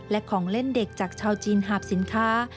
และของเล่นเด็กจากชาวจีนหาบสินค้า